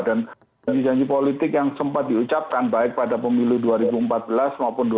dan janji janji politik yang sempat diucapkan baik pada pemilu dua ribu empat belas maupun dua ribu sembilan belas